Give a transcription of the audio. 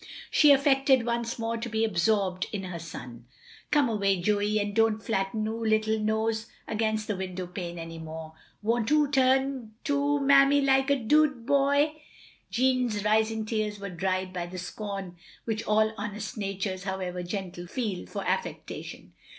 She aflEected once more to be absorbed in her son. OF GROSVENOR SQUARE 169 "Come away, Joey, and don't flatten '00 little nose against the window pane any more. Won't '00 tum to '00 manmiy like a dood boy?" Jeanne's rising tears were dried by the scorn which all honest natures, however gentle, feel for affectation.